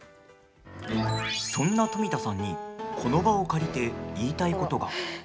そんな富田さんにこの場を借りて言いたいことが。